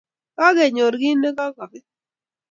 Kakenyor kit ne kokabet